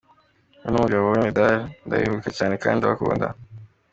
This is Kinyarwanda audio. We n’umugabo we Médard ndabibuka cyane kandi ndabakunda.